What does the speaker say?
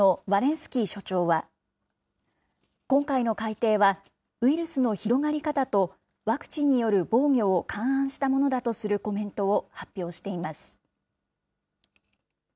スキー所長は、今回の改定は、ウイルスの広がり方と、ワクチンによる防御を勘案したものだとするコメントを発表しています。